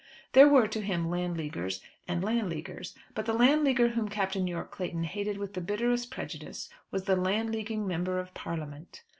There were to him Landleaguers and Landleaguers; but the Landleaguer whom Captain Yorke Clayton hated with the bitterest prejudice was the Landleaguing Member of Parliament.